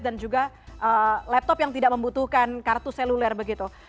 dan juga laptop yang tidak membutuhkan kartu seluler begitu